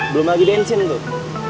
belum lagi bensin tuh